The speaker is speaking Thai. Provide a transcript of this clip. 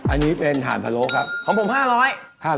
อันนี้เป็นท่านพะโลกครับ